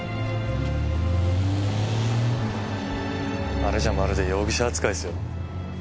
あれじゃまるで容疑者扱いっすよ。